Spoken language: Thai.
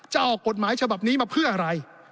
จะออกกฎหมายฉบับนี้มาเพื่ออะไร